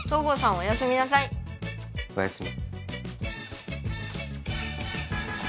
おやすみなさいおやすみ